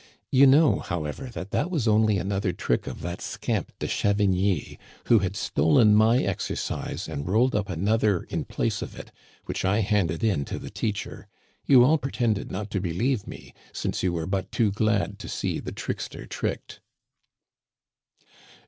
You know, however, that that was only another trick of that scamp De Chavigny, who had stolen my exercise and rolled up another in place of it, which I handed in to the teacher. You all pretended not to believe me, since you were but too glad to see the trickster tricked."